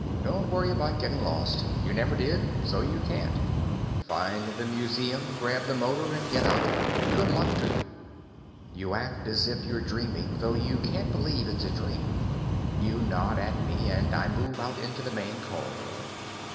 Don't worry about getting lost; you never did, so you can't. Find the museum, grab the motor, and get out. And good luck to you." You act as if you're dreaming, though you can't believe it's a dream. You nod at me and I move out into the main corridor.